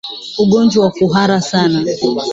Ugonjwa wa kuhara sana